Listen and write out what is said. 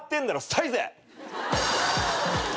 サイゼ！